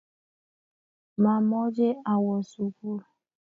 Mamoche awo sugul.